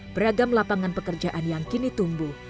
beragam lapangan pekerjaan yang kini tumbuh